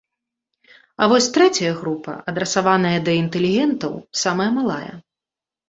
А вось трэцяя група, адрасаваная да інтэлігентаў, самая малая.